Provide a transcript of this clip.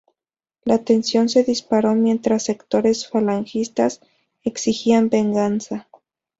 La tensión se disparó, mientras sectores falangistas exigían venganza.